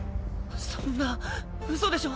そんなうそでしょ？